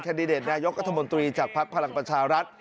ดิเดตนายกรัฐมนตรีจากภักดิ์พลังประชารัฐ